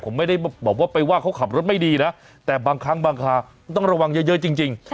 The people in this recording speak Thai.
ผมไม่ได้บอกว่าไปว่าเขาขับรถไม่ดีนะแต่บางครั้งบางคาต้องระวังเยอะจริง